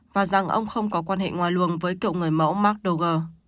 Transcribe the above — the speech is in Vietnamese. và rằng ông không có quan hệ ngoài luồng với kiệu người mẫu mark dogger